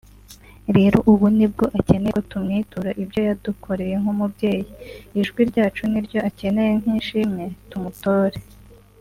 rero ubu nibwo akeneye ko tumwitura ibyo yadukoreye nk'umubyeyi ijwi ryacu niryo akeneye nk ishimwe tumutore